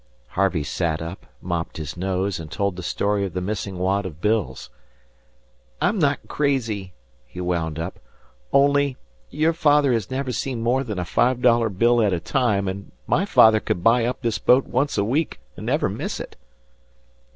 Harvey sat up, mopped his nose, and told the story of the missing wad of bills. "I'm not crazy," he wound up. "Only your father has never seen more than a five dollar bill at a time, and my father could buy up this boat once a week and never miss it."